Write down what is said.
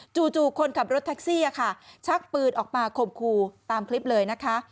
คนขับรถแท็กซี่ค่ะชักปืนออกมาข่มครูตามคลิปเลยนะคะ